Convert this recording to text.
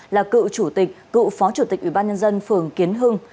là cựu chủ tịch cựu phó chủ tịch ủy ban nhân dân phường kiến hưng